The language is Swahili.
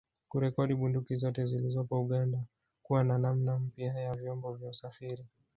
Kurekodi bunduki zote zilizopo Uganda kuwa na namna mpya ya vyombo vya usafiri